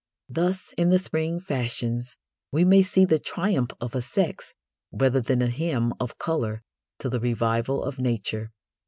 Thus in the spring fashions we may see the triumph of a sex rather than a hymn of colour to the revival of Nature.